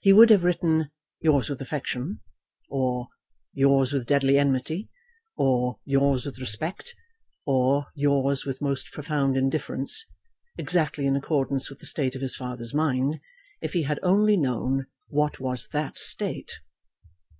He would have written "yours with affection," or "yours with deadly enmity," or "yours with respect," or "yours with most profound indifference," exactly in accordance with the state of his father's mind, if he had only known what was that state.